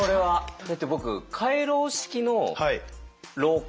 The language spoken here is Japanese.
だって僕回廊式の廊下。